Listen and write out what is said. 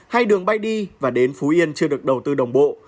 hai đường bay đi và đến phú yên chưa được đầu tư đồng bộ